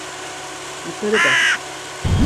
Yukarı bak!